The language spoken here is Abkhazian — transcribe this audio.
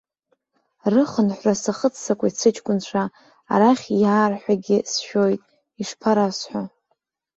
Рыхынҳәра сахыццакуеит сыҷкәынцәа, арахь иаарҳәагьы сшәоит, ишԥарасҳәо.